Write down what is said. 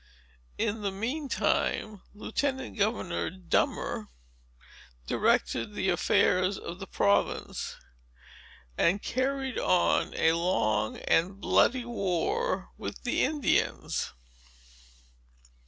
In the mean time, Lieutenant Governor Dummer directed the affairs of the province, and carried on a long and bloody war with the Indians."